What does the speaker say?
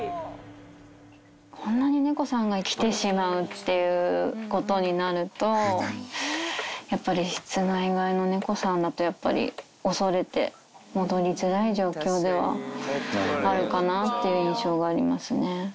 こんなに猫さんが来てしまうっていうことになると、やっぱり室内飼いの猫さんだとやっぱり恐れて戻りづらい状況ではあるかなっていう印象がありますね。